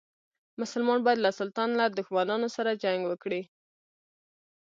مسلمان باید له سلطان له دښمنانو سره جنګ وکړي.